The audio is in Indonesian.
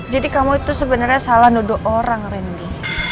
jadi kamu itu sebenarnya salah nuduh orang randy